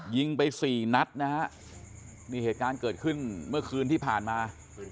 ยิงไปสี่นัดนะฮะนี่เหตุการณ์เกิดขึ้นเมื่อคืนที่ผ่านมา